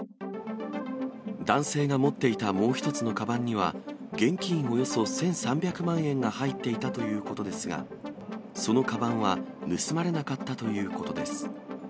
男性が持っていたもう１つのカバンには、現金およそ１３００万円が入っていたということですが、そのかばんは、盗まれなかったということです。